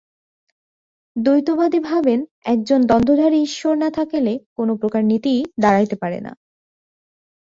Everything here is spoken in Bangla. দ্বৈতবাদী ভাবেন, একজন দণ্ডধারী ঈশ্বর না থাকিলে কোন প্রকার নীতিই দাঁড়াইতে পারে না।